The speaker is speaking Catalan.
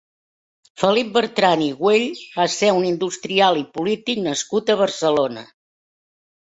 Felip Bertran i Güell va ser un industrial i polític nascut a Barcelona.